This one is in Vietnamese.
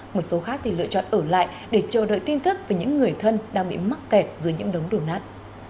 một số khác thì lựa chọn ở lại để chờ đợi tin tức về những người thân đang bị mắc kẹt dưới những đống đổ nát